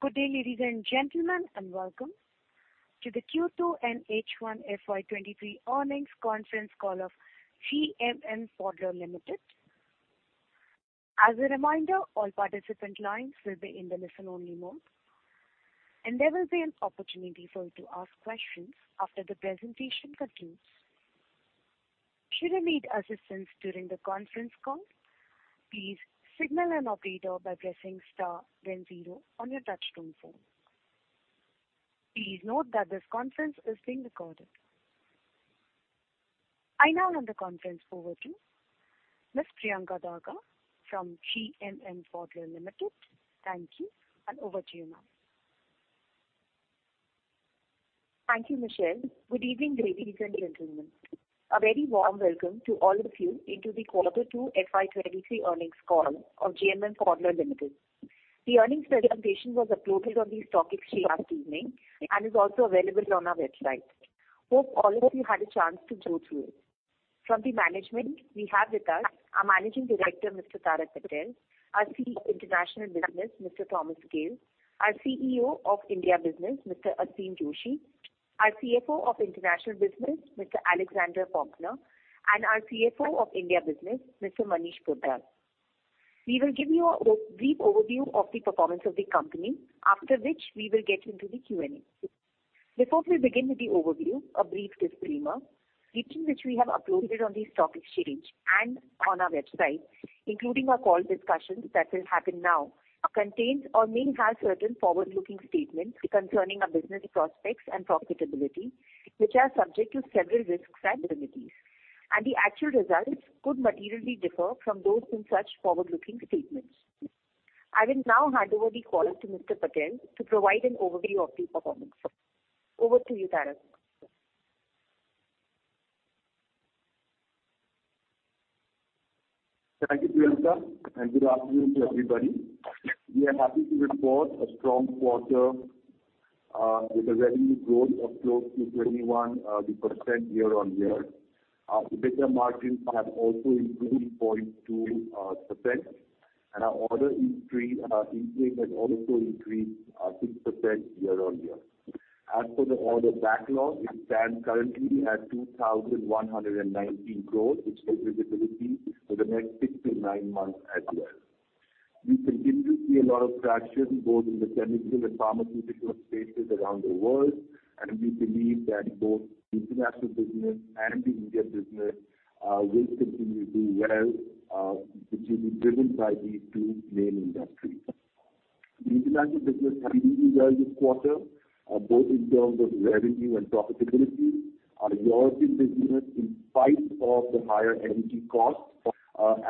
Good day, ladies and gentlemen, and welcome to the Q2 and H1 FY 2023 Earnings Conference Call of GMM Pfaudler Limited. As a reminder, all participant lines will be in the listen-only mode, and there will be an opportunity for you to ask questions after the presentation concludes. Should you need assistance during the conference call, please signal an operator by pressing star then zero on your touch-tone phone. Please note that this conference is being recorded. I now hand the conference over to Ms. Priyanka Daga from GMM Pfaudler Limited. Thank you, and over to you now. Thank you, Michelle. Good evening, ladies and gentlemen. A very warm welcome to all of you into the Quarter two FY 2023 earnings call of GMM Pfaudler Limited. The earnings presentation was uploaded on the stock exchange last evening and is also available on our website. Hope all of you had a chance to go through it. From the management we have with us our Managing Director, Mr. Tarak Patel, our CEO International Business, Mr. Thomas Kehl, our CEO of India Business, Mr. Aseem Joshi, our CFO of International Business, Mr. Alexander Pömpner, and our CFO of India Business, Mr. Manish Poddar. We will give you a brief overview of the performance of the company, after which we will get into the Q&A. Before we begin with the overview, a brief disclaimer. The speech which we have uploaded on the stock exchange and on our website, including our call discussions that will happen now, contains or may have certain forward-looking statements concerning our business prospects and profitability, which are subject to several risks and uncertainties, and the actual results could materially differ from those in such forward-looking statements. I will now hand over the call to Mr. Patel to provide an overview of the performance. Over to you, Tarak. Thank you, Priyanka, and good afternoon to everybody. We are happy to report a strong quarter with a revenue growth of close to 21% year-on-year. Our EBITDA margins have also improved 0.2%, and our order intake has also increased 6% year-on-year. As for the order backlog, it stands currently at 2,119 crores, which has visibility for the next 6-9 months as well. We continue to see a lot of traction both in the Chemical and Pharmaceutical spaces around the world, and we believe that both the International business and the India business will continue to do well, which will be driven by these two main industries. The International business has done really well this quarter, both in terms of revenue and profitability. Our European business, in spite of the higher energy costs,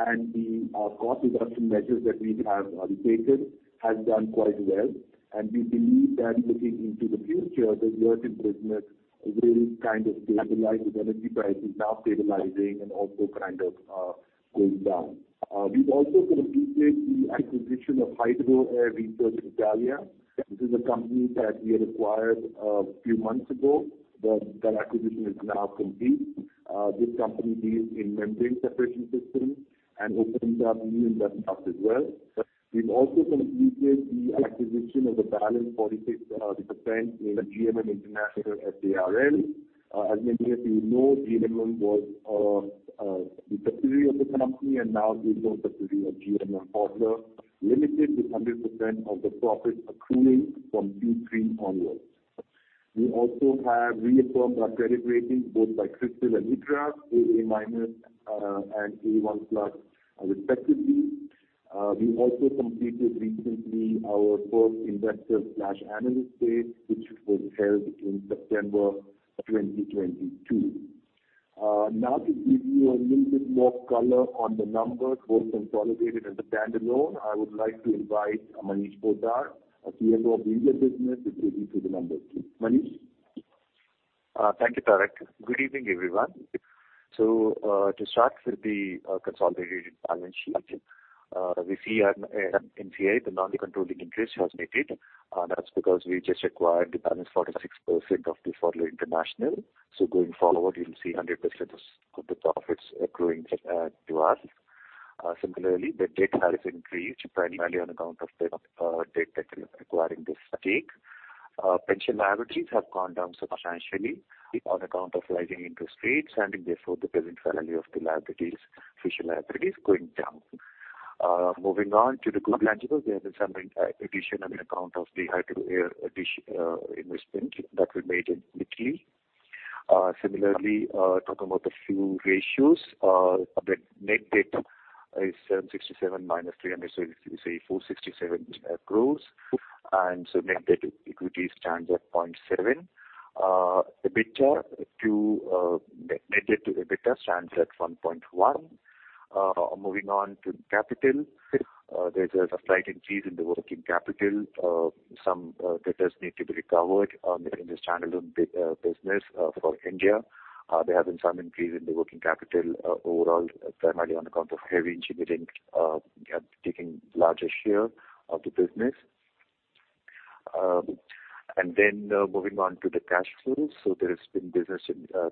and the cost reduction measures that we have taken, has done quite well. We believe that looking into the future, the European business will kind of stabilize with energy prices now stabilizing and also kind of going down. We've also completed the acquisition of Hydro Air Research Italia. This is a company that we acquired a few months ago, but that acquisition is now complete. This company deals in membrane separation systems and opens up new investments as well. We've also completed the acquisition of the balance 46 percent in GMM International S.à r.l. As many of you know, GMM was the subsidiary of the company, and now is a subsidiary of GMM Pfaudler Limited, with 100 percent of the profits accruing from Q3 onwards. We also have reaffirmed our credit rating both by CRISIL and ICRA, AA-, and A1+, respectively. We also completed recently our first Investor/Analyst Day, which was held in September 2022. Now to give you a little bit more color on the numbers, both consolidated and the standalone, I would like to invite Manish Poddar, CFO of India Business, to take you through the numbers. Manish. Thank you, Tarak. Good evening, everyone. To start with the consolidated balance sheet, we see an NCI, the non-controlling interest has made it, that's because we just acquired the balance 46% of the Pfaudler International. Going forward, you'll see 100% of the profits accruing to us. Similarly, the debt has increased primarily on account of the debt required for this takeover. Pension liabilities have gone down substantially on account of rising interest rates, and therefore the present value of the liabilities, future liabilities going down. Moving on to the intangibles, there has been some addition on account of the Hydro-Air investment that we made in Italy. Similarly, let's talk about a few ratios. The net debt is 767 crore minus 300 crore, so say 467 crore. Net debt to equity stands at 0.7. EBITDA to net debt to EBITDA stands at 1.1. Moving on to capital. There's a slight increase in the working capital. Some debtors need to be recovered in the standalone business for India. There have been some increase in the working capital overall, primarily on account of heavy engineering taking larger share of the business. Moving on to the cash flows. There has been business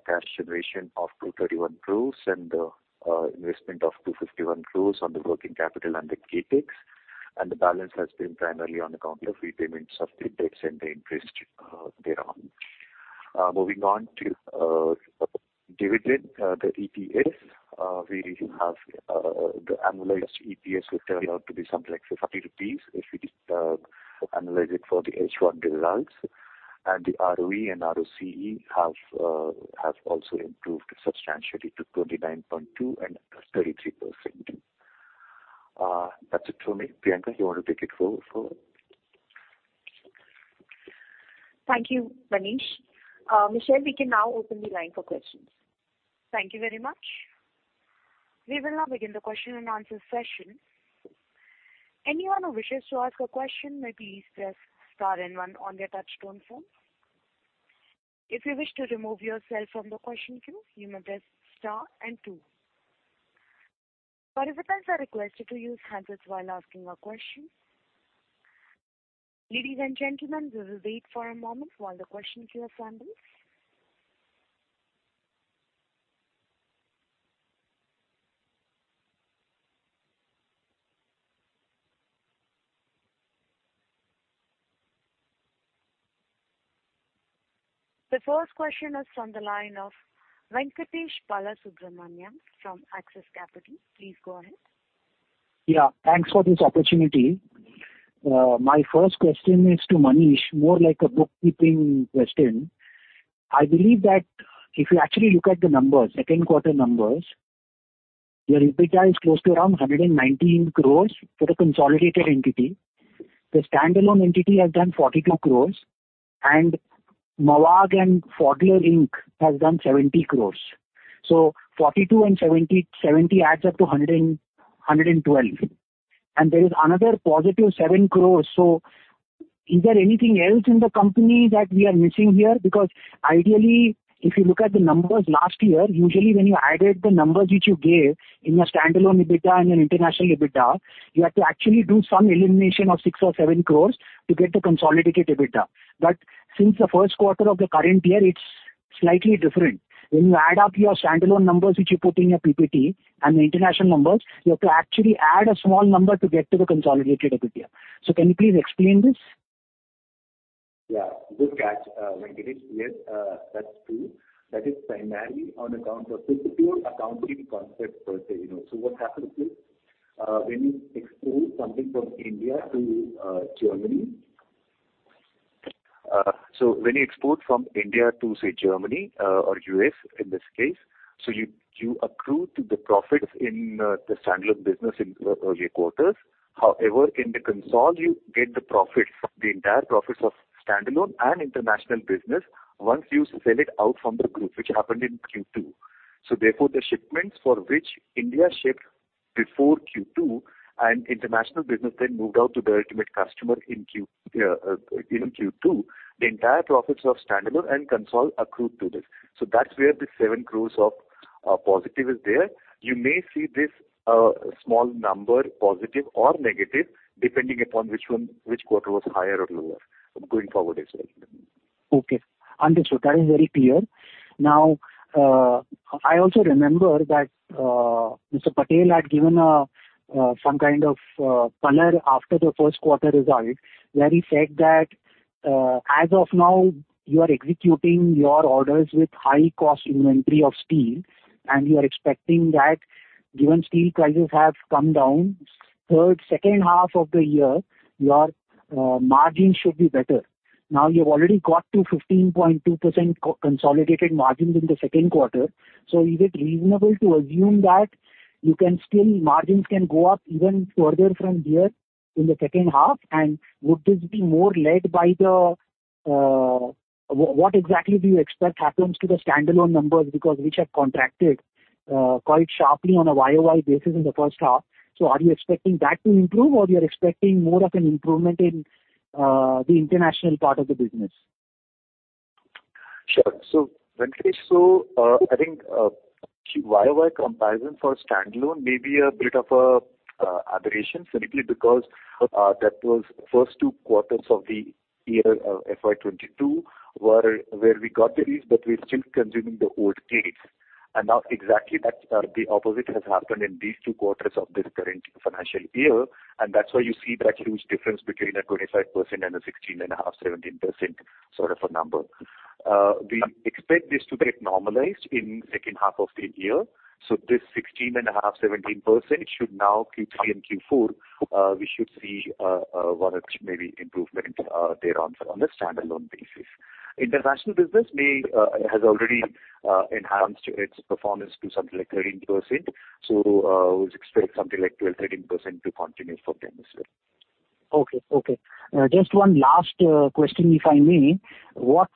cash generation of 231 crores and investment of 251 crores on the working capital and the CapEx. The balance has been primarily on account of repayments of the debts and the interest thereon. Moving on to dividend, the EPS, we have the annualized EPS will turn out to be something like 50 rupees if we just analyze it for the H1 results. The ROE and ROCE have also improved substantially to 29.2% and 33%. That's it for me. Priyanka, you want to take it forward for... Thank you, Manish. Michelle, we can now open the line for questions. Thank you very much. We will now begin the question-and-answer session. Anyone who wishes to ask a question may please press star and one on their touchtone phone. If you wish to remove yourself from the question queue, you may press star and two. Participants are requested to use headsets while asking a question. Ladies and gentlemen, we will wait for a moment while the question queue assembles. The first question is on the line of Venkatesh Balasubramaniam from Axis Capital. Please go ahead. Yeah. Thanks for this opportunity. My first question is to Manish, more like a bookkeeping question. I believe that if you actually look at the numbers, second quarter numbers, your EBITDA is close to around 119 crores for the consolidated entity. The standalone entity has done 42 crores and Mavag and Pfaudler Inc. Has done 70 crores. So 42 and 70 adds up to 112. And there is another positive 7 crores. Is there anything else in the company that we are missing here? Because ideally, if you look at the numbers last year, usually when you added the numbers which you gave in your standalone EBITDA and your international EBITDA, you had to actually do some elimination of 6 or 7 crores to get the consolidated EBITDA. Since the first quarter of the current year, it's slightly different. When you add up your standalone numbers, which you put in your PPT, and the international numbers, you have to actually add a small number to get to the consolidated EBITDA. Can you please explain this? Yeah. Good catch, Venkatesh. Yes, that's true. That is primarily on account of this is pure accounting concept per se, you know. What happens is, when you export something from India to Germany. When you export from India to, say, Germany, or U.S. in this case, so you accrue to the profits in the standalone business in the earlier quarters. However, in the consolidation, you get the profits, the entire profits of standalone and International business once you sell it out from the group, which happened in Q2. Therefore, the shipments for which India shipped before Q2 and International business then moved out to the ultimate customer in Q2, the entire profits of standalone and consolidation accrue to this. That's where the 7 crore of positive is there. You may see this small number, positive or negative, depending upon which one, which quarter was higher or lower going forward as well. Okay. Understood. That is very clear. Now, I also remember that, Mr. Patel had given, some kind of, color after the first quarter result, where he said that, as of now, you are executing your orders with high-cost inventory of steel, and you are expecting that given steel prices have come down, second half of the year, your, margins should be better. Now, you've already got to 15.2% consolidated margins in the second quarter. Is it reasonable to assume that margins can go up even further from here in the second half? What exactly do you expect happens to the standalone numbers, because which have contracted, quite sharply on a year-over-year basis in the first half. Are you expecting that to improve, or you are expecting more of an improvement in the international part of the business? Sure. Venkatesh, I think YoY comparison for standalone may be a bit of a aberration simply because that was first two quarters of the year, FY 2022 were where we got the EUs, but we're still consuming the old CapEx. Now exactly that, the opposite has happened in these two quarters of this current financial year. That's why you see that huge difference between a 25% and a 16.5%-17% sort of a number. We expect this to get normalized in second half of the year. This 16.5%-17% should now Q3 and Q4, we should see perhaps improvement thereon on a standalone basis. International business has already enhanced its performance to something like 13%. We expect something like 12%-13% to continue for them as well. Okay. Just one last question, if I may. What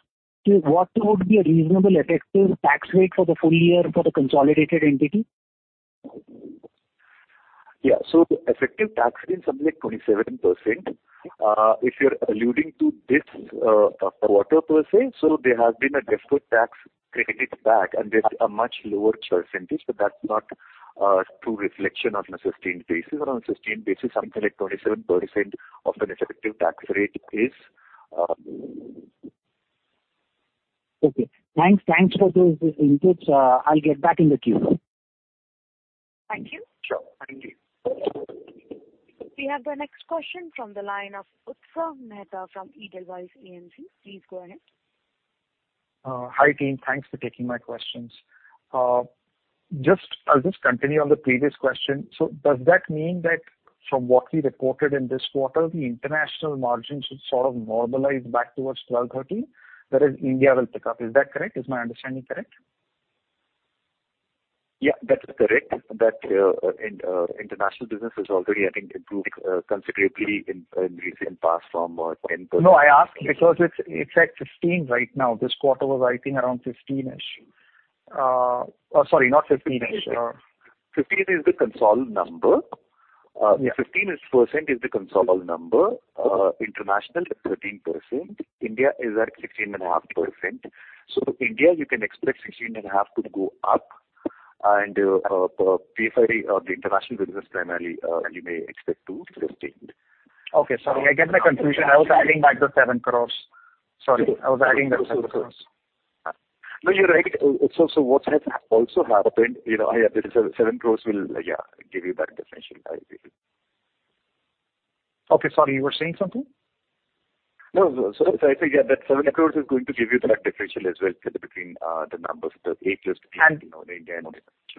would be a reasonable effective tax rate for the full year for the consolidated entity? Effective tax is something like 27%. If you're alluding to this quarter per se, there has been a deferred tax credit back, and there's a much lower percentage, but that's not true reflection on a sustained basis. On a sustained basis, something like 27% of an effective tax rate is. Okay. Thanks. Thanks for those inputs. I'll get back in the queue. Thank you. Sure. Thank you. We have the next question from the line of Utsav Mehta from Edelweiss AMC. Please go ahead. Hi, team. Thanks for taking my questions. Just, I'll just continue on the previous question. Does that mean that from what we reported in this quarter, the international margins should sort of normalize back towards 12%-13%, whereas India will pick up. Is that correct? Is my understanding correct? Yeah, that is correct. That International business is already I think improved considerably in recent past from 10%. No, I ask because it's at 15 right now. This quarter was I think around 15-ish. Sorry, not 15-ish. 15% is the consol number. Yeah. 15% is the consolidated number. International is 13%. India is at 16.5%. India you can expect 16.5% to go up and Pfaudler, the International business primarily, you may expect to 15%. Okay. Sorry, I get my confusion. I was adding back the 7 crores. No, you're right. What has also happened, you know, yeah, the 7 crore will, yeah, give you that differential basically. Okay. Sorry, you were saying something. No. I think, yeah, that 7 crores is going to give you that differential as well between the numbers, the eight years between, you know, the Indian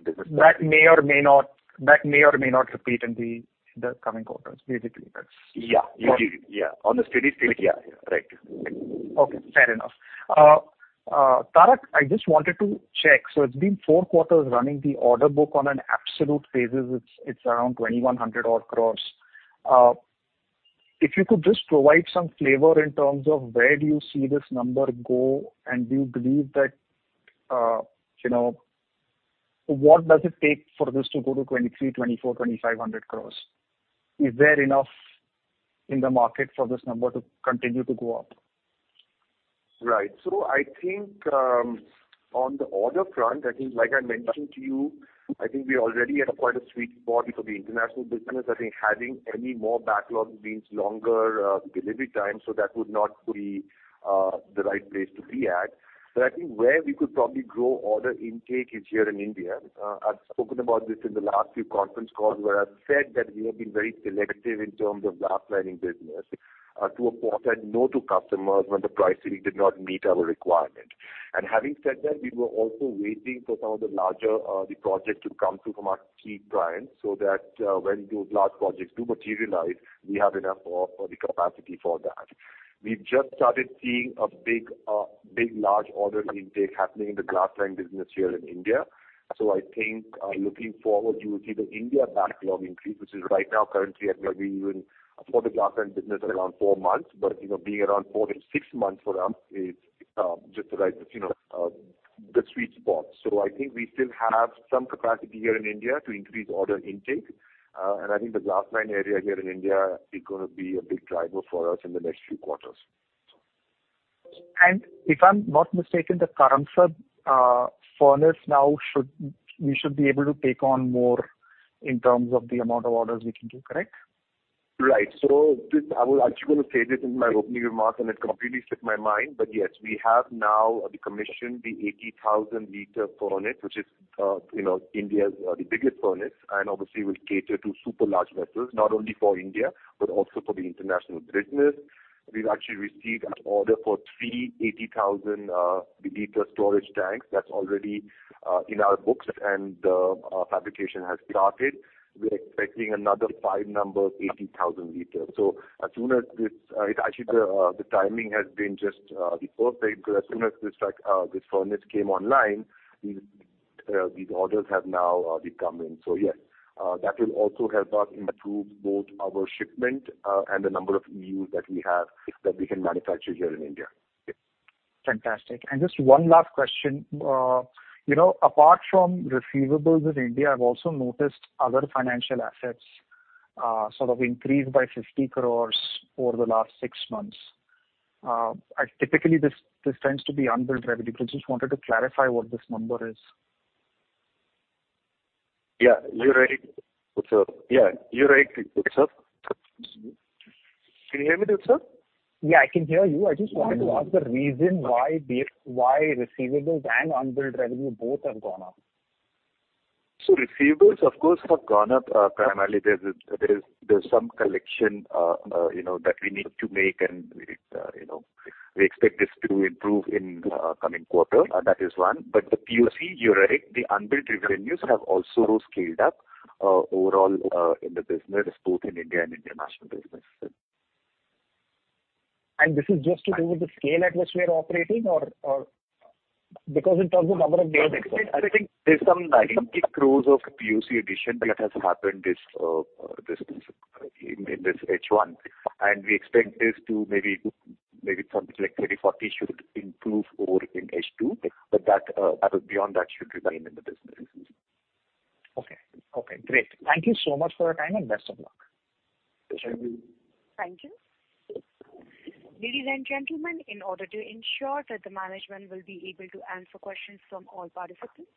business. That may or may not repeat in the coming quarters. Basically, that's. Yeah. You did it. Yeah. On a steady state, yeah. Yeah. Right. Okay. Fair enough. Tarak, I just wanted to check. It's been four quarters running the order book on an absolute basis. It's around 2,100-odd crores. If you could just provide some flavor in terms of where do you see this number go, and do you believe that, you know, what does it take for this to go to 2,300, 2,400, 2,500 crores? Is there enough in the market for this number to continue to go up? Right. I think on the order front, I think like I mentioned to you, I think we already had quite a sweet spot because the International business, I think having any more backlog means longer delivery time, so that would not be the right place to be at. I think where we could probably grow order intake is here in India. I've spoken about this in the last few conference calls where I've said that we have been very selective in terms of glass lining business, to a point that no to customers when the pricing did not meet our requirement. Having said that, we were also waiting for some of the larger projects to come through from our key clients, so that when those large projects do materialize, we have enough of the capacity for that. We've just started seeing a big large order intake happening in the glass-lined business here in India. I think, looking forward, you will see the India backlog increase, which is right now currently at maybe even for the glass-lined business around four months. But, you know, being around four to six months for them is just the right, you know, the sweet spot. I think we still have some capacity here in India to increase order intake. I think the glass-lined area here in India is gonna be a big driver for us in the next few quarters. If I'm not mistaken, the Karamsad furnace now we should be able to take on more in terms of the amount of orders we can do, correct? I was actually gonna say this in my opening remarks, and it completely slipped my mind. Yes, we have now commissioned the 80,000-liter furnace, which is, you know, India's biggest furnace, and obviously will cater to super large vessels, not only for India, but also for the International business. We've actually received an order for three 80,000-liter storage tanks. That's already in our books, and the fabrication has started. We're expecting another five 80,000 liters. Actually, the timing has been just before today, because as soon as this furnace came online, these orders have now come in. Yes, that will also help us improve both our shipment and the number of EU that we have that we can manufacture here in India. Fantastic. Just one last question. You know, apart from receivables in India, I've also noticed other financial assets, sort of increased by 50 crore over the last six months. Typically this tends to be unbilled revenue. I just wanted to clarify what this number is. Yeah, you're right. Sir. Can you hear me though, sir? Yeah, I can hear you. I just wanted to ask the reason why receivables and unbilled revenue both have gone up. Receivables of course have gone up. Primarily there's some collection, you know, that we need to make and we, you know, we expect this to improve in coming quarter. That is one. The POC, you're right, the unbilled revenues have also scaled up, overall, in the business, both in India and International business. This is just to do with the scale at which we are operating or because in terms of number of days. I think there's some INR 90 crores of POC addition that has happened in this H1, and we expect this to maybe something like 30-40 crores should improve in H2, but that beyond that should remain in the business. Okay. Okay, great. Thank you so much for your time and best of luck. Sure. Thank you. Ladies and gentlemen, in order to ensure that the management will be able to answer questions from all participants,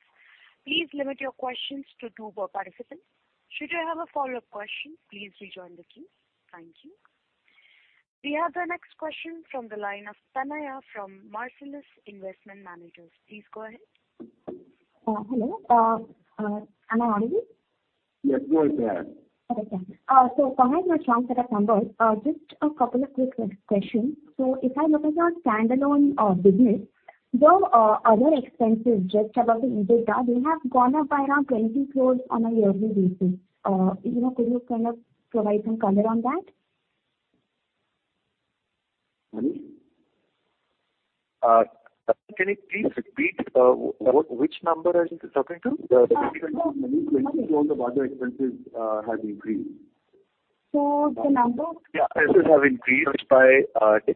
please limit your questions to two per participant. Should you have a follow-up question, please rejoin the queue. Thank you. We have the next question from the line of Tanay from Marcellus Investment Managers. Please go ahead. Hello. Am I audible? Yes, go ahead. Perhaps a chance at a number. Just a couple of quick questions. If I look at your standalone business, your other expenses just above the EBITDA, they have gone up by around 20 crores on a yearly basis. You know, could you kind of provide some color on that? Pardon? Can you please repeat, which number are you talking to? The expenses have increased. The number- Yeah, expenses have increased by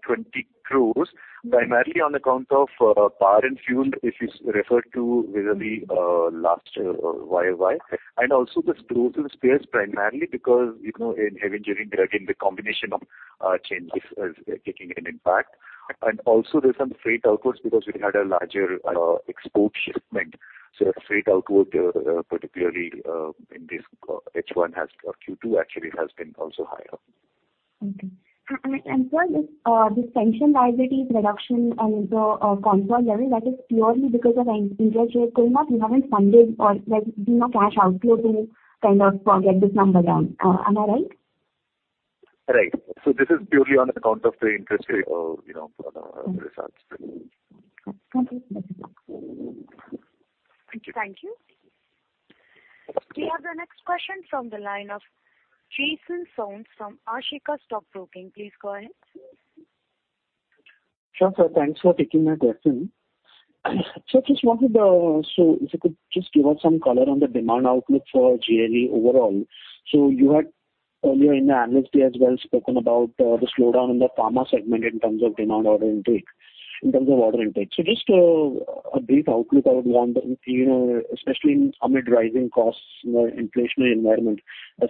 20 crore primarily on account of power and fuel, if you refer to really last year-over-year. Also the tools and spares, primarily because, you know, in heavy engineering, again, the combination of changes is taking an impact. Also there's some freight outwards because we had a larger export shipment. The freight output, particularly in this H1 has or Q2 actually has been also higher. Sir, this pension liabilities reduction on the consolidated level, that is purely because of interest rate payment. You haven't funded or like, you know, cash outflow to kind of get this number down. Am I right? Right. This is purely on account of the interest rate, you know, for the results. Okay. Thank you. Thank you. We have the next question from the line of Jason Soans from Ashika Stock Broking. Please go ahead. Sure, sir. Thanks for taking my question. If you could just give us some color on the demand outlook for GLE overall. You had earlier in the analyst day as well spoken about the slowdown in the pharma segment in terms of demand, order intake. Just a brief outlook, I would want to, you know, especially amid rising costs, you know, inflationary environment as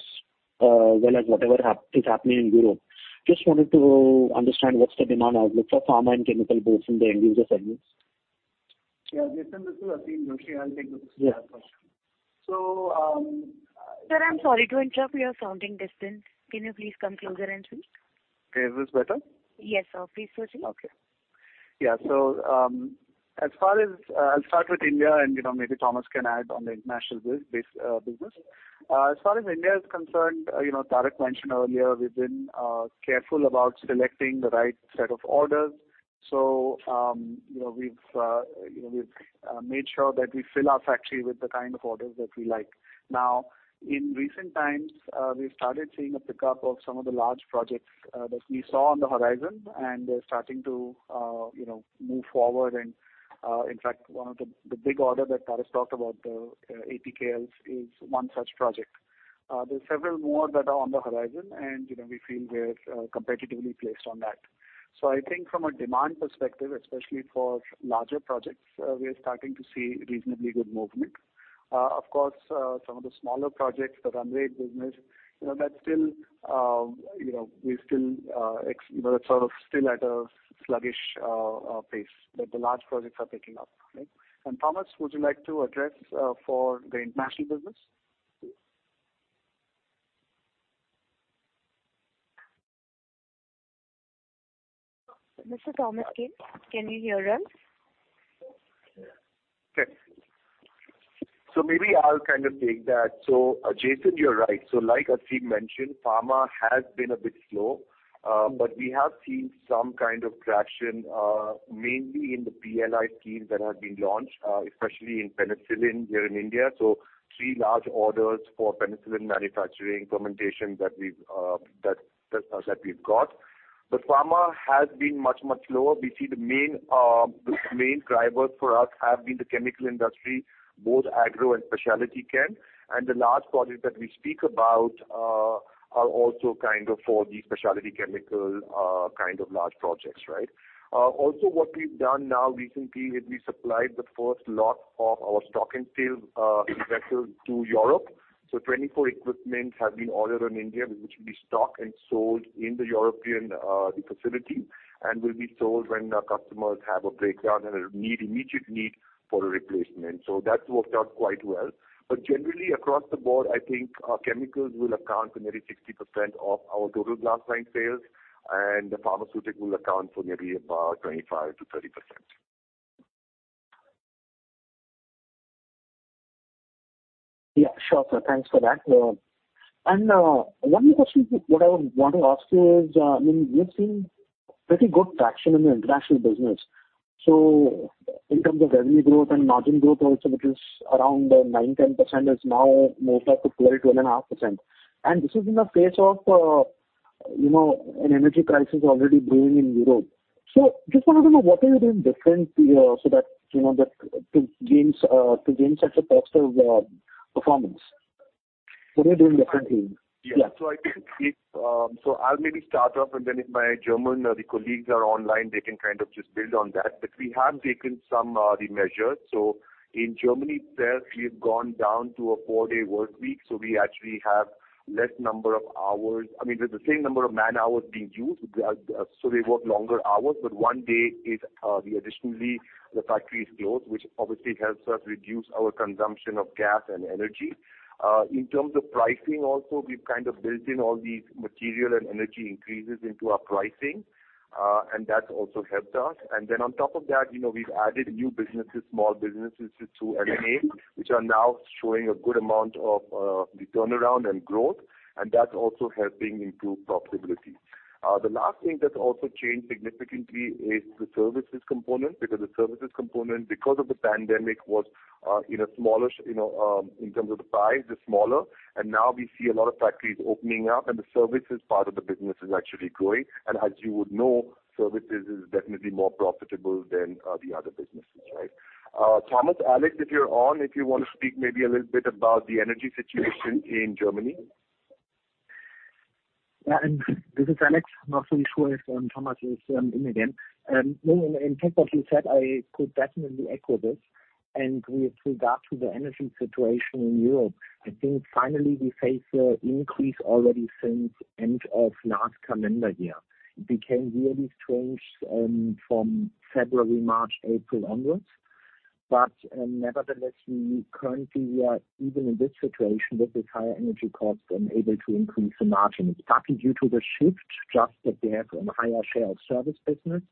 well as whatever is happening in Europe. Just wanted to understand what's the demand outlook for pharma and chemical both in the end user segments. Yeah, Jason, this is Aseem Joshi. I'll take this question. Yeah. So, um- Sir, I'm sorry to interrupt. You're sounding distant. Can you please come closer and speak? Okay. Is this better? Yes, sir. Please proceed. Okay. Yeah. As far as, I'll start with India and, you know, maybe Thomas can add on the International business. As far as India is concerned, you know, Tarak mentioned earlier, we've been careful about selecting the right set of orders. You know, we've made sure that we fill our factory with the kind of orders that we like. Now, in recent times, we've started seeing a pickup of some of the large projects that we saw on the horizon, and they're starting to, you know, move forward. In fact, one of the big order that Tarak talked about, is one such project. There are several more that are on the horizon and, you know, we feel we're competitively placed on that. I think from a demand perspective, especially for larger projects, we are starting to see reasonably good movement. Of course, some of the smaller projects, the runway business, you know, that's still, you know, we still sort of at a sluggish pace. The large projects are picking up. Right? Thomas, would you like to address for the International business? Mr. Thomas Kehl, can you hear us? Yes. Maybe I'll kind of take that. Jason Soans, you're right. Like Aseem Joshi mentioned, pharma has been a bit slow. We have seen some kind of traction, mainly in the PLI schemes that have been launched, especially in penicillin here in India. Three large orders for penicillin manufacturing fermentation that we've got. Pharma has been much lower. We see the main drivers for us have been the chemical industry, both agro and specialty chem. The large projects that we speak about are also kind of for the specialty chemical kind of large projects, right? Also what we've done now recently is we supplied the first lot of our Mixion reactors to Europe. 24 equipment have been ordered in India, which will be stock and sold in the European facility and will be sold when our customers have a breakdown and a need, immediate need for a replacement. That's worked out quite well. Generally across the board, I think, chemicals will account for nearly 60% of our total glass-lined sales, and the pharmaceutical account for nearly about 25%-30%. Yeah, sure sir. Thanks for that. One more question, what I want to ask you is, I mean, we've seen pretty good traction in the International business. In terms of revenue growth and margin growth also, which is around 9%-10%, is now moved up to 12%-12.5%. This is in the face of, you know, an energy crisis already brewing in Europe. Just wanted to know, what are you doing differently so that, you know, to gain such a posture of performance? I'll maybe start off, and then if my German colleagues are online, they can kind of just build on that. We have taken some measures. In Germany itself, we have gone down to a four-day workweek, so we actually have less number of hours. I mean, with the same number of man-hours being used, so they work longer hours, but one day off. Additionally, the factory is closed, which obviously helps us reduce our consumption of gas and energy. In terms of pricing also, we've kind of built in all these material and energy increases into our pricing, and that's also helped us. Then on top of that, you know, we've added new businesses, small businesses through M&A, which are now showing a good amount of the turnaround and growth, and that's also helping improve profitability. The last thing that's also changed significantly is the services component, because the services component, because of the pandemic, was in a smaller, you know, in terms of the size, is smaller. Now we see a lot of factories opening up, and the services part of the business is actually growing. As you would know, services is definitely more profitable than the other businesses, right? Thomas, Alex, if you're on, if you wanna speak maybe a little bit about the energy situation in Germany. Yeah. This is Alex, not so sure if Thomas is in again. No, in fact, what you said, I could definitely echo this. With regard to the energy situation in Europe, I think finally we face an increase already since end of last calendar year. It became really strange from February, March, April onwards. Nevertheless, we currently are, even in this situation with this higher energy cost, able to increase the margin. It's partly due to the shift, just that we have a higher share of service business.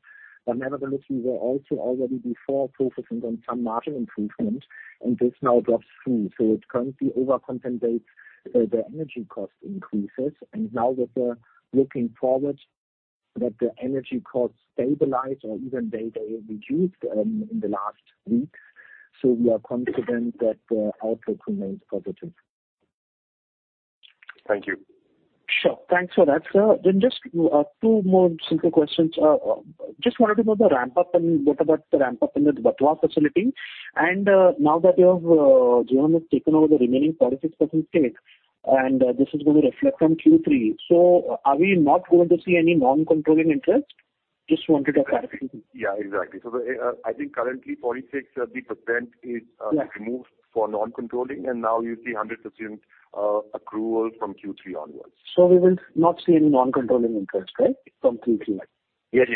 But nevertheless, we were also already before focusing on some margin improvement, and this now drops through. It currently overcompensates the energy cost increases. Now that we're looking forward that the energy costs stabilize or even they reduced in the last week. We are confident that the outlook remains positive. Thank you. Sure. Thanks for that, sir. Just two more simple questions. Just wanted to know the ramp up and what about the ramp up in the Vatva facility. Now that GMM has taken over the remaining 46% stake, and this is gonna reflect on Q3. Are we not going to see any non-controlling interest? Just wanted to clarify. Yeah, exactly. I think currently 46% is- Yeah. NCI removed for non-controlling, now you see 100% accrual from Q3 onwards. We will not see any non-controlling interest, right, from Q3? Yes.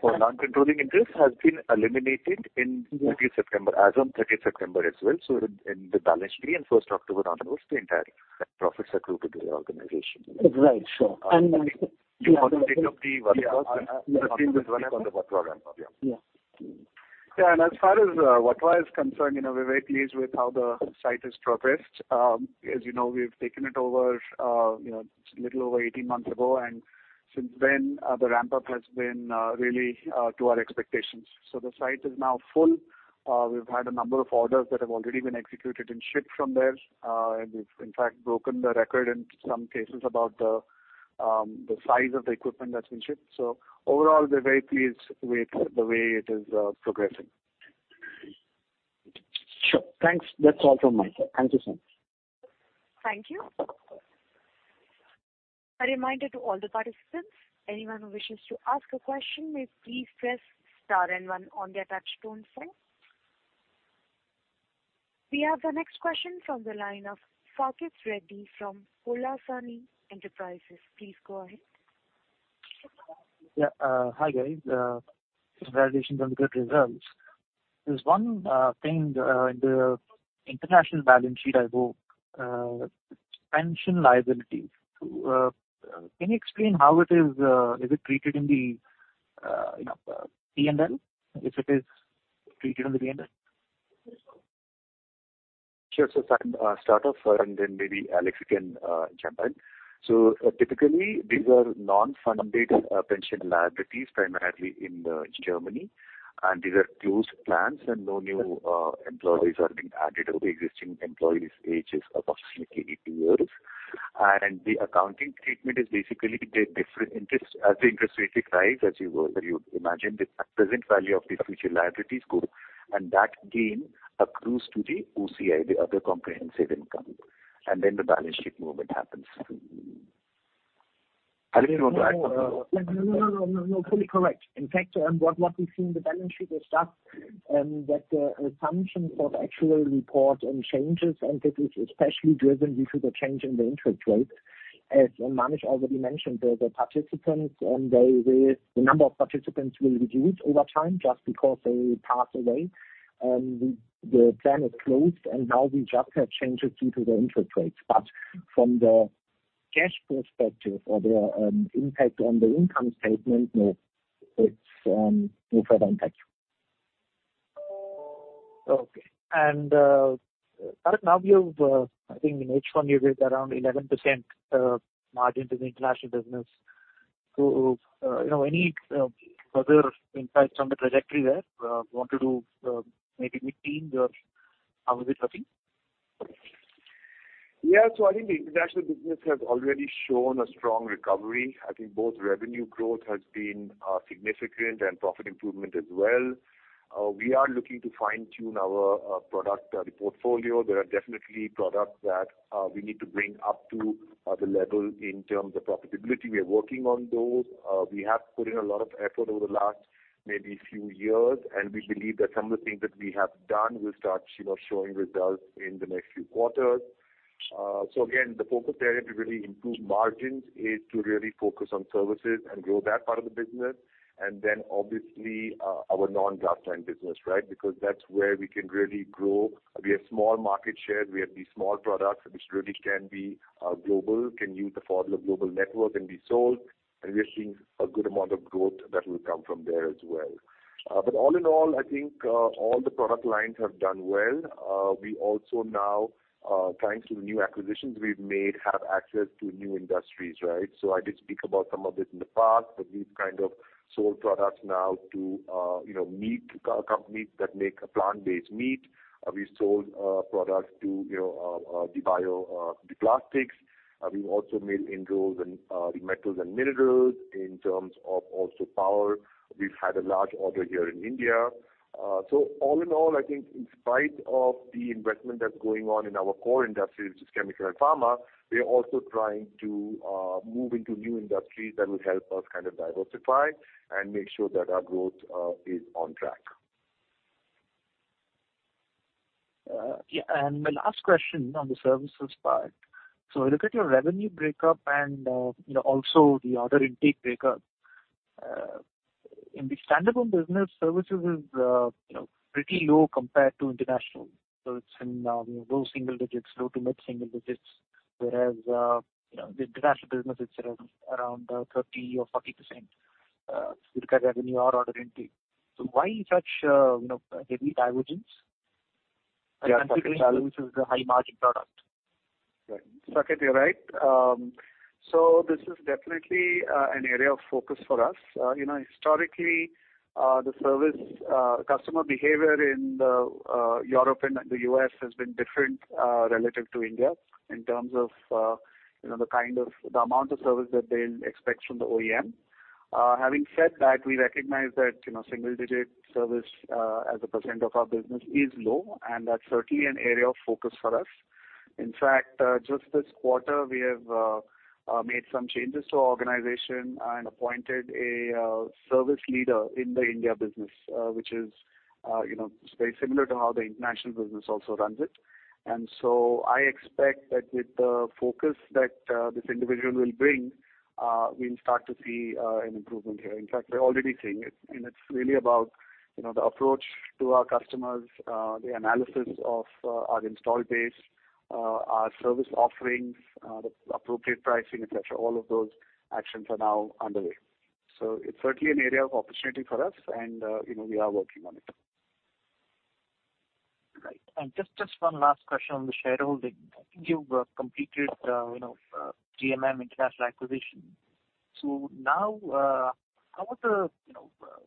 For non-controlling interest has been eliminated. Yeah. 30th September, as on 30th September as well. In the balance sheet and first October onwards, the entire profits are grouped with the organization. Right. Sure. The profit of the Vatva Yeah. The same with Vatva program. Yeah. Yeah. Yeah. As far as Vatva is concerned, you know, we're very pleased with how the site has progressed. As you know, we've taken it over, you know, it's a little over 18 months ago, and since then, the ramp-up has been really to our expectations. The site is now full. We've had a number of orders that have already been executed and shipped from there. We've in fact broken the record in some cases about the size of the equipment that's been shipped. Overall, we're very pleased with the way it is progressing. Sure. Thanks. That's all from my side. Thank you, sir. Thank you. A reminder to all the participants, anyone who wishes to ask a question may please press star and one on their touch-tone phone. We have the next question from the line of Saket Reddy from Polasani Enterprises. Please go ahead. Hi, guys. Congratulations on the good results. There's one thing in the international balance sheet: pension liability. Can you explain how it is treated in the, you know, P&L? If it is treated in the P&L? Sure. If I start off and then maybe Alex you can jump in. Typically, these are unfunded pension liabilities, primarily in Germany. These are closed plans and no new employees are being added, or the existing employees' age is approximately 80 years. The accounting treatment is basically the difference in interest. As the interest rates rise, as you would, you'd imagine the present value of the future liabilities goes down, and that gain accrues to the OCI, the other comprehensive income. Then the balance sheet movement happens. Alex, you want to add something? No. Fully correct. In fact, what we see in the balance sheet is just that, actuarial assumptions and changes, and this is especially driven due to the change in the interest rate. As Manish already mentioned, the number of participants will reduce over time just because they pass away. The plan is closed, and now we just have changes due to the interest rates. From the cash perspective or the impact on the income statement, no, it's no further impact. Now you've I think in H1 you raised around 11% margin to the International business. You know, any further insights on the trajectory there? Want to do maybe meet teams or how is it looking? Yeah. I think the International business has already shown a strong recovery. I think both revenue growth has been significant and profit improvement as well. We are looking to fine-tune our product portfolio. There are definitely products that we need to bring up to the level in terms of profitability. We are working on those. We have put in a lot of effort over the last maybe few years, and we believe that some of the things that we have done will start, you know, showing results in the next few quarters. Again, the focus there is to really improve margins, is to really focus on services and grow that part of the business. Then obviously, our non-glass-lined business, right? Because that's where we can really grow. We have small market share. We have these small products which really can be global, can use the Pfaudler global network and be sold, and we are seeing a good amount of growth that will come from there as well. All in all, I think all the product lines have done well. We also now thanks to the new acquisitions we've made, have access to new industries, right? I did speak about some of this in the past, but we've kind of sold products now to, you know, meat companies that make plant-based meat. We sold products to, you know, the bioplastics. We've also made inroads in the metals and minerals. In terms of also power, we've had a large order here in India. All in all, I think in spite of the investment that's going on in our core industries, which is chemical and pharma, we are also trying to move into new industries that will help us kind of diversify and make sure that our growth is on track. Yeah. My last question on the services part. I look at your revenue breakup and, you know, also the order intake breakup. In the standalone business, services is, you know, pretty low compared to international. It's in low single digits, low to mid single digits. Whereas, you know, the International business is around 30% or 40%, if you look at revenue or order intake. Why such heavy divergence? Yeah. Considering services is a high margin product? Right. Saket, you're right. This is definitely an area of focus for us. You know, historically, the service customer behavior in Europe and the U.S. has been different relative to India in terms of you know the amount of service that they expect from the OEM. Having said that, we recognize that you know single digit service as a % of our business is low, and that's certainly an area of focus for us. In fact, just this quarter, we have made some changes to our organization and appointed a service leader in the India business, which is you know very similar to how the International business also runs it. I expect that with the focus that this individual will bring, we'll start to see an improvement here. In fact, we're already seeing it. It's really about, you know, the approach to our customers, the analysis of our install base, our service offerings, the appropriate pricing, et cetera. All of those actions are now underway. It's certainly an area of opportunity for us and, you know, we are working on it. Right. Just one last question on the shareholding. I think you've completed, you know, GMM International acquisition. Now, how would the, you know, shareholding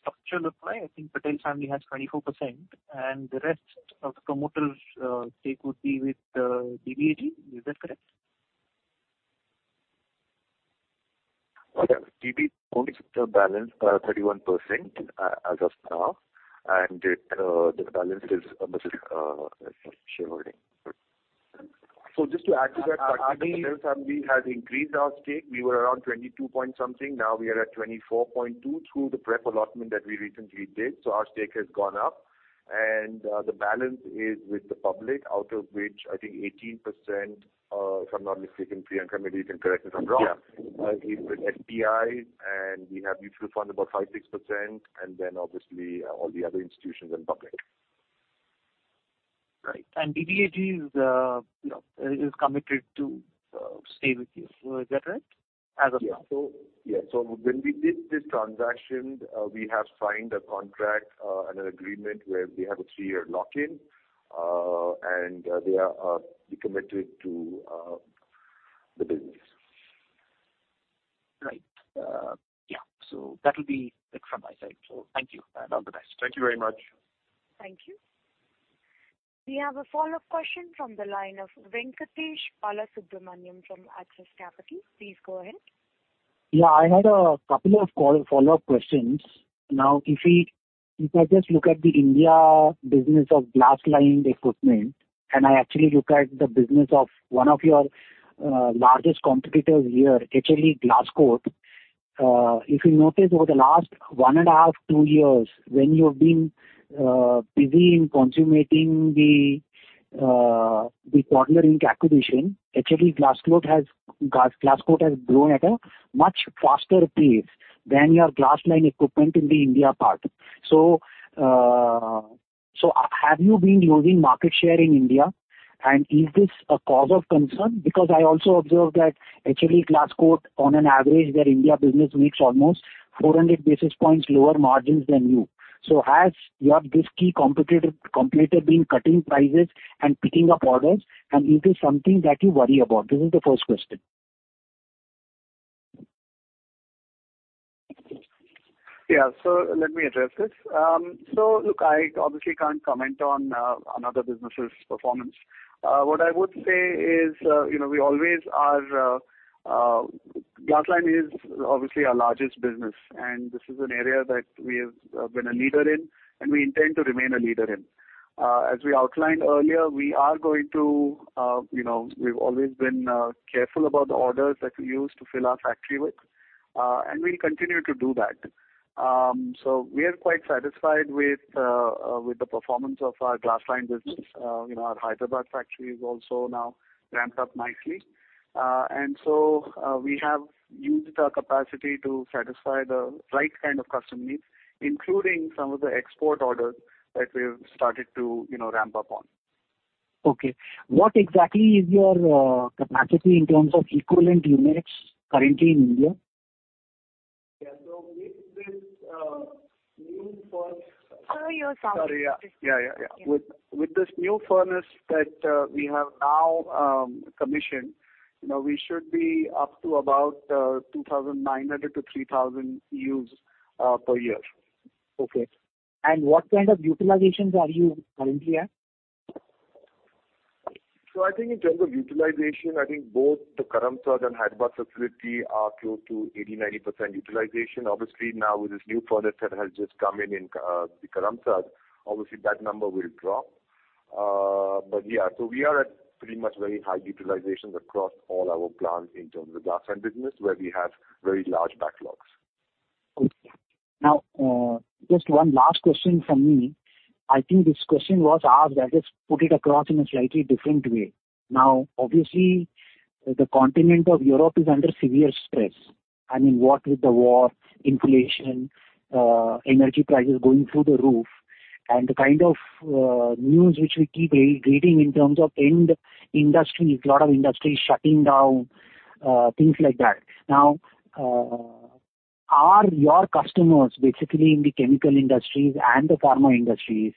structure look like? I think Patel family has 24%, and the rest of the promoters stake would be with DBAG. Is that correct? Okay. DBAG owns the balance 31% as of now, and it the balance is the shareholding. Just to add to that- I mean. Patel family has increased our stake. We were around 22 point something. Now we are at 24.2 through the preferential allotment that we recently did. Our stake has gone up. The balance is with the public, out of which I think 18%, if I'm not mistaken, Priyanka, maybe you can correct me if I'm wrong- Yeah. ...is with FPI, and we have mutual fund about 5%-6%, and then obviously, all the other institutions and public. Right. DBAG is, you know, committed to stay with you. Is that right? As of now. When we did this transaction, we have signed a contract and an agreement where we have a three-year lock-in, and they are committed to the business. Right. Yeah. That'll be it from my side. Thank you and all the best. Thank you very much. Thank you. We have a follow-up question from the line of Venkatesh Balasubramaniam from Axis Capital. Please go ahead. I had a couple of follow-up questions. Now, if I just look at the India business of glass-lined equipment, and I actually look at the business of one of your largest competitors here, HLE Glascoat. If you notice over the last one and a half to two years, when you've been busy in consummating the Pfaudler Inc. acquisition, HLE Glascoat has grown at a much faster pace than your glass-lined equipment in the India part. Have you been losing market share in India? And is this a cause of concern? Because I also observed that HLE Glascoat on average, their India business makes almost 400 basis points lower margins than you. Has your key competitor been cutting prices and picking up orders? And is this something that you worry about? This is the first question. Yeah. Let me address this. Look, I obviously can't comment on another business's performance. What I would say is, you know, glass-lined is obviously our largest business, and this is an area that we have been a leader in and we intend to remain a leader in. As we outlined earlier, you know, we've always been careful about the orders that we use to fill our factory with, and we'll continue to do that. We are quite satisfied with the performance of our glass-lined business. You know, our Hyderabad factory is also now ramped up nicely. We have used our capacity to satisfy the right kind of customer needs, including some of the export orders that we've started to, you know, ramp up on. Okay. What exactly is your capacity in terms of equivalent units currently in India? Yeah. With this new furnace. Sorry, your sound is. Sorry, yeah. Yeah. Yeah. With this new furnace that we have now commissioned, you know, we should be up to about 2,900-3,000 EUs per year. Okay. What kind of utilizations are you currently at? I think in terms of utilization, I think both the Karamsad and Hyderabad facility are close to 80%-90% utilization. Obviously, now with this new product that has just come in the Karamsad, obviously that number will drop. Yeah. We are at pretty much very high utilizations across all our plants in terms of glass-lined business, where we have very large backlogs. Okay. Now, just one last question from me. I think this question was asked. I'll just put it across in a slightly different way. Now, obviously, the continent of Europe is under severe stress. I mean, what with the war, inflation, energy prices going through the roof and the kind of news which we keep rereading in terms of end industry, a lot of industries shutting down, things like that. Now, are your customers basically in the chemical industries and the pharma industries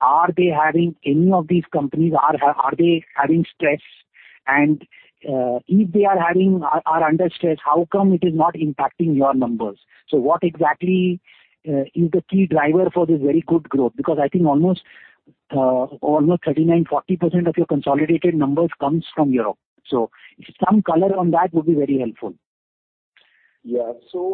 having stress? And if they are under stress, how come it is not impacting your numbers? What exactly is the key driver for this very good growth? Because I think almost 39%-40% of your consolidated numbers comes from Europe. Some color on that would be very helpful. Yeah.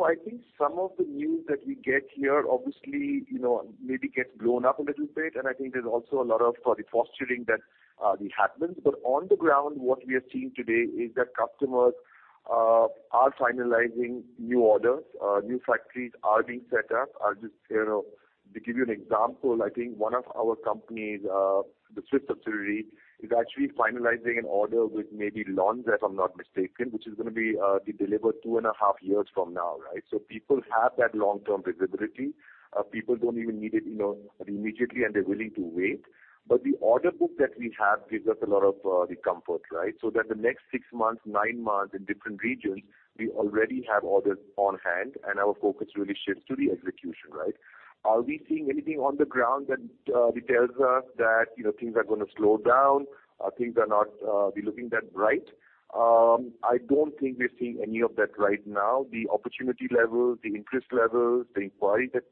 I think some of the news that we get here, obviously, you know, maybe gets blown up a little bit, and I think there's also a lot of the posturing that happens. On the ground, what we are seeing today is that customers are finalizing new orders. New factories are being set up. Just, you know, to give you an example, I think one of our companies, the Swiss subsidiary, is actually finalizing an order with maybe Lonza, if I'm not mistaken, which is gonna be delivered two and a half years from now, right? People have that long-term visibility. People don't even need it, you know, immediately, and they're willing to wait. The order book that we have gives us a lot of the comfort, right? The next six months, nine months in different regions, we already have orders on hand and our focus really shifts to the execution, right? Are we seeing anything on the ground that tells us that, you know, things are gonna slow down, things are not looking that bright? I don't think we're seeing any of that right now. The opportunity levels, the interest levels, the inquiries that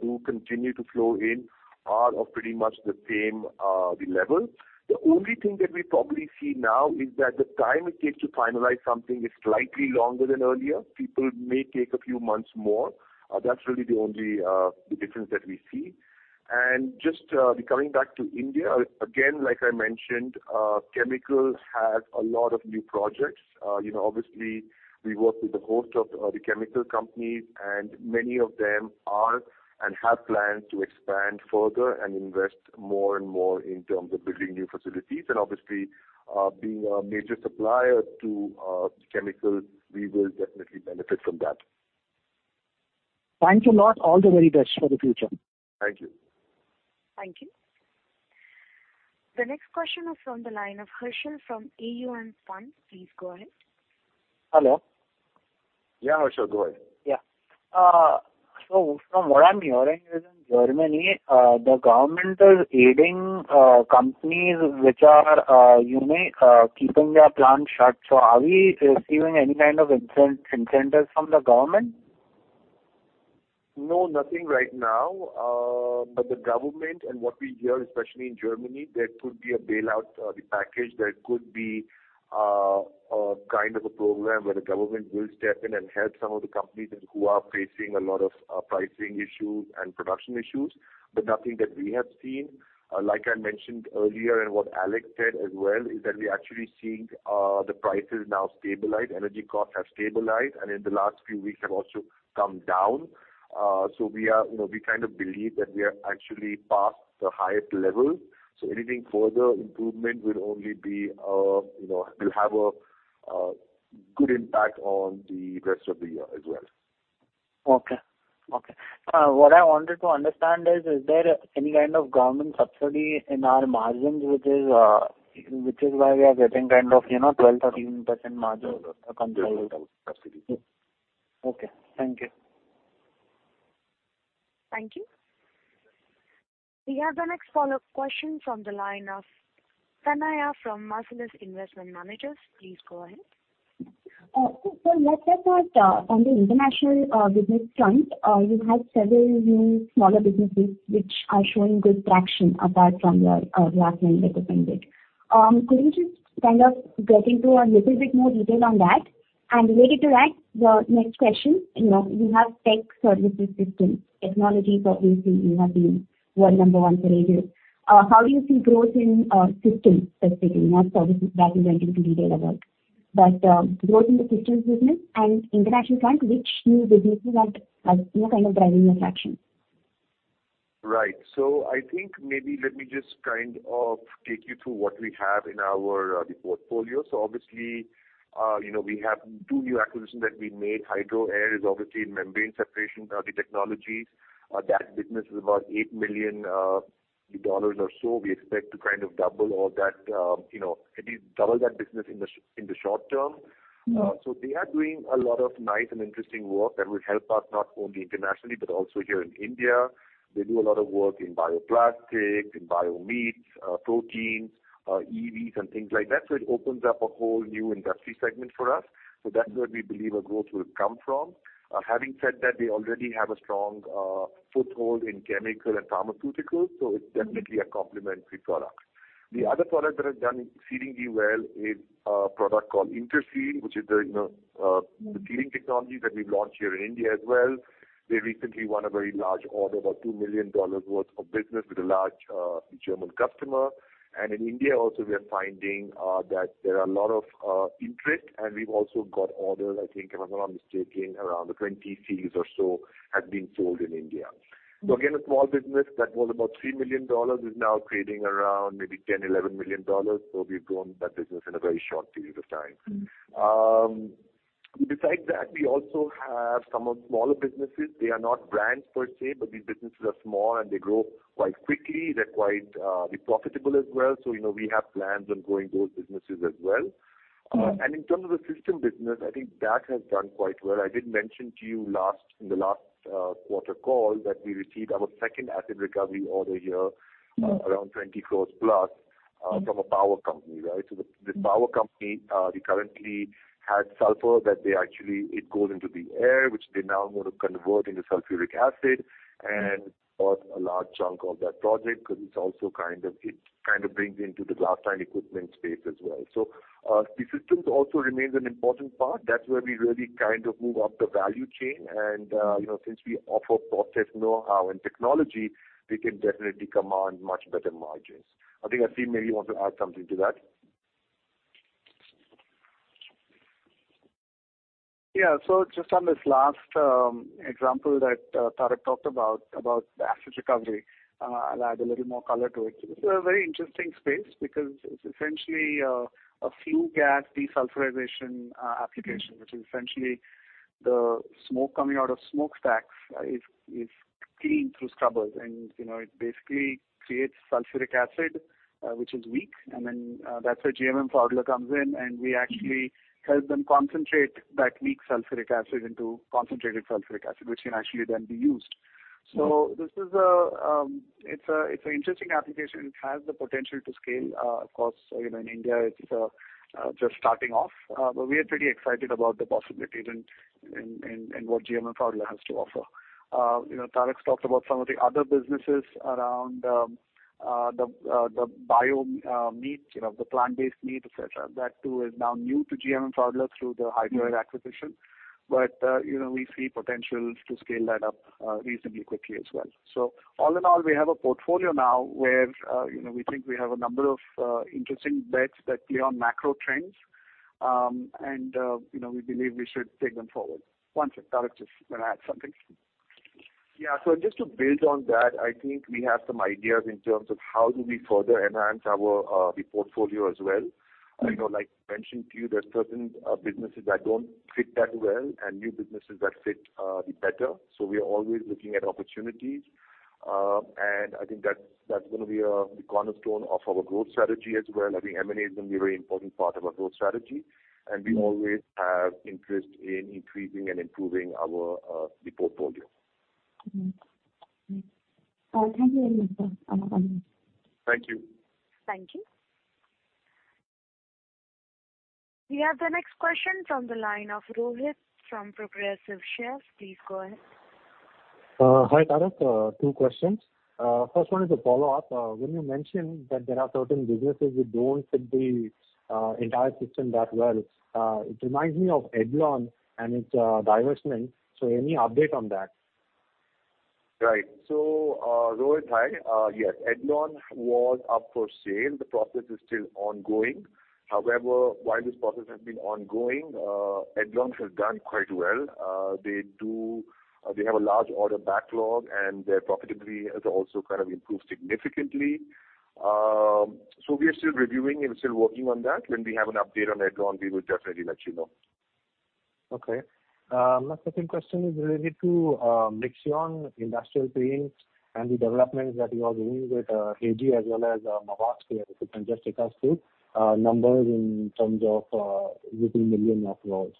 do continue to flow in are of pretty much the same level. The only thing that we probably see now is that the time it takes to finalize something is slightly longer than earlier. People may take a few months more. That's really the only difference that we see. Just coming back to India, again, like I mentioned, chemical has a lot of new projects. You know, obviously we work with a host of the chemical companies, and many of them are and have plans to expand further and invest more and more in terms of building new facilities. Obviously, being a major supplier to chemical, we will definitely benefit from that. Thank you a lot. All the very best for the future. Thank you. Thank you. The next question is from the line of Harshil from AUM Fund. Please go ahead. Hello. Yeah, Harshil, go ahead. Yeah. From what I'm hearing is in Germany, the government is aiding companies which are, you know, keeping their plants shut. Are we receiving any kind of incentives from the government? No, nothing right now. The government and what we hear, especially in Germany, there could be a bailout, the package. There could be a kind of a program where the government will step in and help some of the companies who are facing a lot of pricing issues and production issues. Nothing that we have seen. Like I mentioned earlier, and what Alex said as well, is that we're actually seeing the prices now stabilize. Energy costs have stabilized, and in the last few weeks have also come down. We are, you know, we kind of believe that we are actually past the highest level. Anything further improvement will only be, you know, will have a good impact on the rest of the year as well. What I wanted to understand is there any kind of government subsidy in our margins, which is why we are getting kind of, you know, 12%-13% margin? No, there's no subsidy. Okay. Thank you. Thank you. We have the next follow-up question from the line of Tanaya from Marcellus Investment Managers. Please go ahead. Last quarter, on the International business front, you had several new smaller businesses which are showing good traction apart from your last line that you painted. Could you just kind of get into a little bit more detail on that? Related to that, the next question, you know, you have tech services systems, technology for AC, you have been world number one for eight years. How do you see growth in systems specifically, not services that you went into detail about. Growth in the systems business and international front, which new businesses are, you know, kind of driving the traction? Right. I think maybe let me just kind of take you through what we have in our portfolio. Obviously, you know, we have two new acquisitions that we made. Hydro Air is obviously in membrane separation, the technologies. That business is about $8 million or so. We expect to kind of double all that, you know, at least double that business in the short term. Mm-hmm. They are doing a lot of nice and interesting work that will help us not only internationally but also here in India. They do a lot of work in bioplastics, in bio meats, proteins, EVs and things like that. It opens up a whole new industry segment for us. That's where we believe our growth will come from. Having said that, we already have a strong foothold in chemical and pharmaceuticals, so it's- Mm-hmm... definitely a complementary product. The other product that has done exceedingly well is a product called Interseal, which is the, you know. Mm-hmm The sealing technology that we've launched here in India as well. We recently won a very large order, about $2 million worth of business with a large, German customer. In India also we are finding that there are a lot of interest, and we've also got orders, I think, if I'm not mistaken, around 20 seals or so have been sold in India. Mm-hmm. Again, a small business that was about $3 million is now creating around maybe $10 million-$11 million. We've grown that business in a very short period of time. Mm-hmm. Besides that, we also have some of smaller businesses. They are not brands per se, but these businesses are small, and they grow quite quickly. They're quite, they're profitable as well. You know, we have plans on growing those businesses as well- Mm-hmm. in terms of the system business, I think that has done quite well. I did mention to you in the last quarter call that we received our second acid recovery order here- Mm-hmm ...around 20 crore plus Mm-hmm From a power company, right? This power company they currently had sulfur that they actually it goes into the air, which they now want to convert into sulfuric acid. Mm-hmm. Got a large chunk of that project 'cause it's also kind of, it kind of brings into the glass-lined equipment space as well. The systems also remains an important part. That's where we really kind of move up the value chain. You know, since we offer process know-how and technology, we can definitely command much better margins. I think Aseem maybe want to add something to that. Yeah. Just on this last example that Tarak talked about the acid recovery, I'll add a little more color to it. This is a very interesting space because it's essentially a flue gas desulfurization application. Mm-hmm. Which is essentially the smoke coming out of smokestacks is cleaned through scrubbers. You know, it basically creates sulfuric acid, which is weak. That's where GMM Pfaudler comes in, and we actually- Mm-hmm help them concentrate that weak sulfuric acid into concentrated sulfuric acid, which can actually then be used. Mm-hmm. This is an interesting application. It has the potential to scale. Of course, you know, in India it's just starting off. We are pretty excited about the possibilities and what GMM Pfaudler has to offer. You know, Tarak's talked about some of the other businesses around the bio meat, you know, the plant-based meat, et cetera. That too is now new to GMM Pfaudler through the Hydro Air acquisition. Mm-hmm. You know, we see potential to scale that up reasonably quickly as well. All in all, we have a portfolio now where you know, we think we have a number of interesting bets that play on macro trends. You know, we believe we should take them forward. One sec. Tarak just wanna add something. Yeah. Just to build on that, I think we have some ideas in terms of how do we further enhance our the portfolio as well. Mm-hmm. You know, like mentioned to you, there's certain businesses that don't fit that well and new businesses that fit better. We are always looking at opportunities. I think that's gonna be the cornerstone of our growth strategy as well. I think M&A is gonna be a very important part of our growth strategy. Mm-hmm. We always have interest in increasing and improving our, the portfolio. Mm-hmm. Mm-hmm. Thank you very much, sir. I'm done. Thank you. Thank you. We have the next question from the line of Rohit from Progressive Share Brokers Private Limited. Please go ahead. Hi, Tarak. Two questions. First one is a follow-up. When you mentioned that there are certain businesses that don't fit the entire system that well, it reminds me of Edlon and its divestment. Any update on that? Right. Rohit, hi. Yes, Edlon was up for sale. The process is still ongoing. However, while this process has been ongoing, Edlon has done quite well. They have a large order backlog, and their profitability has also kind of improved significantly. We are still reviewing and still working on that. When we have an update on Edlon, we will definitely let you know. Okay. My second question is related to Mixion industrial paints and the developments that you are doing with AG and Mavag. If you can just take us through numbers in terms of revenue, million, net, and all.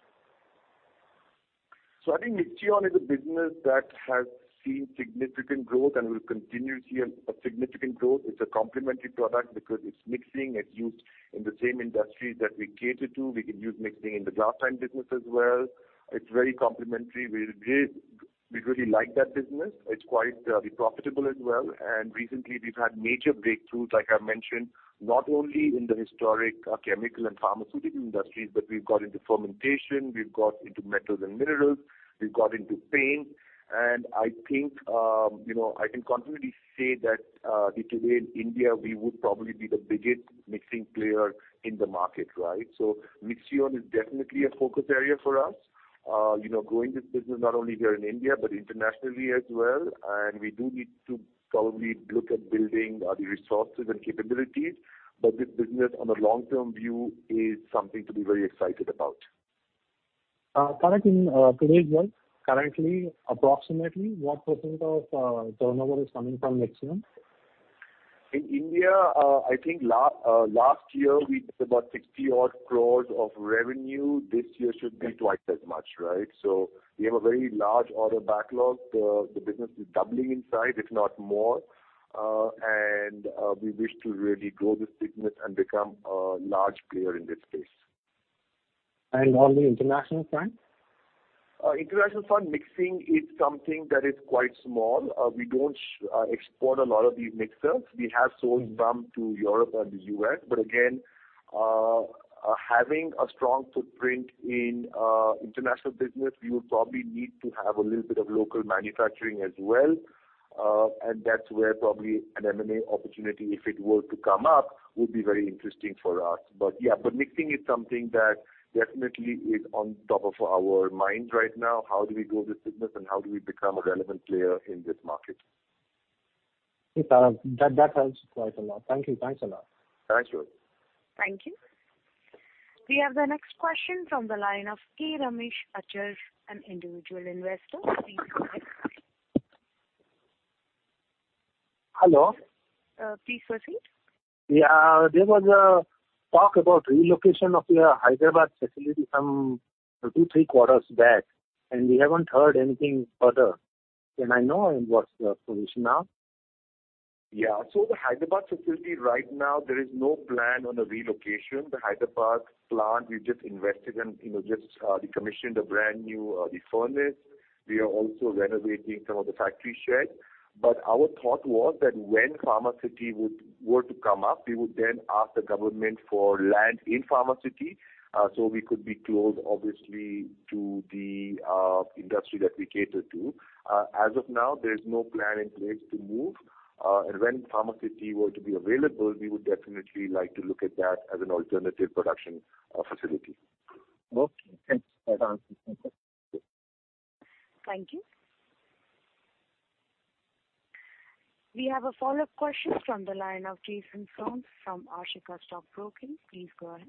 I think Mixion is a business that has seen significant growth and will continue to see a significant growth. It's a complementary product because it's mixing. It's used in the same industry that we cater to. We can use mixing in the glass-lined business as well. It's very complementary. We really like that business. It's quite profitable as well. Recently we've had major breakthroughs, like I mentioned, not only in the historic chemical and pharmaceutical industries, but we've got into fermentation, we've got into metals and minerals, we've got into paint. I think, you know, I can confidently say that today in India, we would probably be the biggest mixing player in the market, right? Mixion is definitely a focus area for us. You know, growing this business not only here in India but internationally as well. We do need to probably look at building the resources and capabilities. This business on a long-term view is something to be very excited about. Currently, in today's world, approximately what % of turnover is coming from Mixion? In India, I think last year we did about 60-odd crore of revenue. This year should be twice as much, right? We have a very large order backlog. The business is doubling in size, if not more. We wish to really grow this business and become a large player in this space. On the International front? International front, mixing is something that is quite small. We don't export a lot of these mixers. We have sold some to Europe and the U.S. Again, having a strong footprint in International business, we would probably need to have a little bit of local manufacturing as well. That's where probably an M&A opportunity if it were to come up would be very interesting for us. Yeah, mixing is something that definitely is on top of our minds right now. How do we grow this business and how do we become a relevant player in this market? Okay, Tarak. That helps quite a lot. Thank you. Thanks a lot. Thank you. Thank you. We have the next question from the line of K Ramesh Achal, an individual investor. Please go ahead. Hello. Please proceed. Yeah. There was a talk about relocation of your Hyderabad facility some two, three quarters back, and we haven't heard anything further. Can I know what's the position now? Yeah. The Hyderabad facility right now there is no plan on the relocation. The Hyderabad plant we just invested in, you know, just decommissioned a brand new furnace. We are also renovating some of the factory sheds. Our thought was that when Pharma City were to come up, we would then ask the government for land in Pharma City, so we could be close obviously to the industry that we cater to. As of now, there is no plan in place to move. When Pharma City were to be available, we would definitely like to look at that as an alternative production facility. Okay. Thanks, Tarak. Thank you. We have a follow-up question from the line of Jason Soans from Ashika Stock Broking. Please go ahead.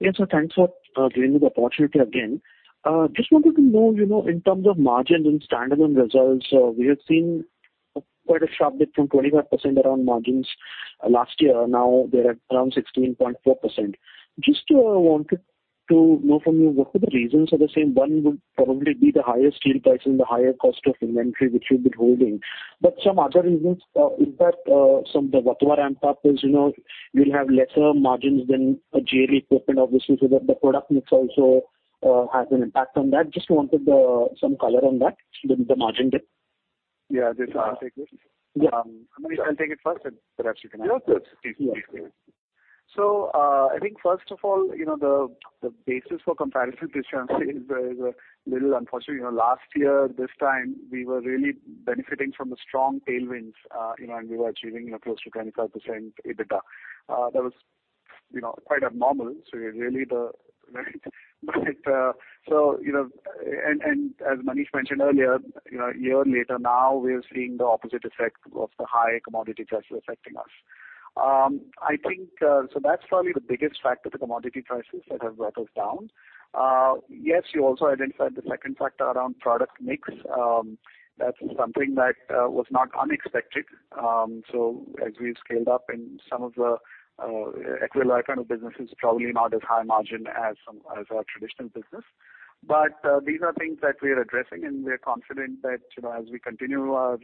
Yes, sir. Thanks for giving me the opportunity again. Just wanted to know, you know, in terms of margins and standalone results, we have seen quite a sharp dip from 25% around margins last year. Now they're at around 16.4%. Just wanted to know from you, what are the reasons for the same? One would probably be the higher steel price and the higher cost of inventory which you've been holding. Some other reasons, in fact, some of the Vatva ramp up is, you know, you'll have lesser margins than glass-lined equipment obviously, so that the product mix also has an impact on that. Just wanted some color on that, the margin dip. Yeah. Aseem Joshi, do you want to take this? Yeah. Manish can take it first, and perhaps you can add. No, it's okay. Please. I think first of all, the basis for comparison this year I'm saying is a little unfortunate. Last year, this time we were really benefiting from the strong tailwinds, and we were achieving close to 25% EBITDA. That was quite abnormal. As Manish mentioned earlier, a year later now we are seeing the opposite effect of the high commodity prices affecting us. I think that's probably the biggest factor, the commodity prices that have let us down. Yes, you also identified the second factor around product mix. That's something that was not unexpected. As we've scaled up in some of the Equilloy kind of businesses, probably not as high margin as our traditional business. These are things that we are addressing, and we are confident that, you know, as we continue our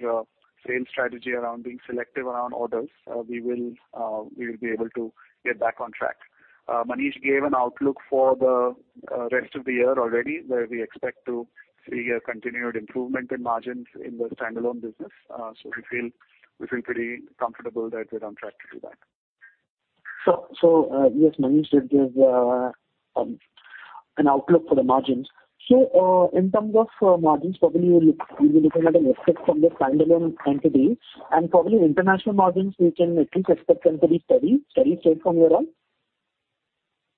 sales strategy around being selective around orders, we will be able to get back on track. Manish gave an outlook for the rest of the year already, where we expect to see a continued improvement in margins in the standalone business. We feel pretty comfortable that we're on track to do that. Yes, Manish did give an outlook for the margins. In terms of margins, probably you'll be looking at an uplift from the standalone entity and probably international margins we can at least expect them to be steady state from here on?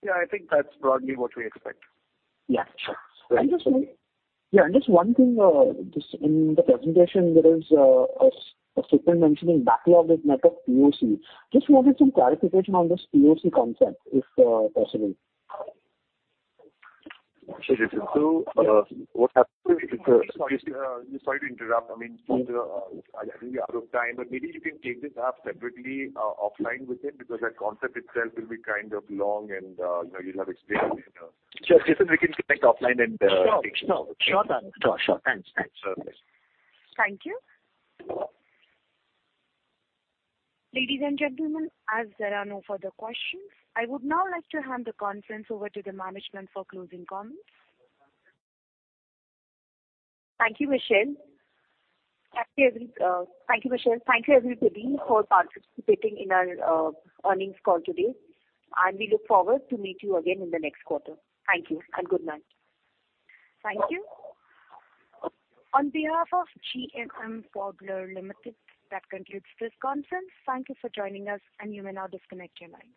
Yeah, I think that's broadly what we expect. Yeah, sure. Just one thing. Just in the presentation there is a statement mentioning backlog is net of POC. Just wanted some clarification on this POC concept, if possible. Sure, Jason. What happens is, Sorry. Sorry to interrupt. I mean, since I think we're out of time, but maybe you can take this up separately offline with him, because that concept itself will be kind of long and, you know, you'll have explained and. Sure, Jason, we can connect offline and. Sure. Take this. Sure, Tarak. Thanks. Thanks. Sure thing. Thank you. Ladies and gentlemen, as there are no further questions, I would now like to hand the conference over to the management for closing comments. Thank you, Michelle. Thank you, Michelle. Thank you, everybody, for participating in our earnings call today, and we look forward to meet you again in the next quarter. Thank you and good night. Thank you. On behalf of GMM Pfaudler Limited, that concludes this conference. Thank you for joining us, and you may now disconnect your line.